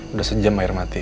udah sejam air mati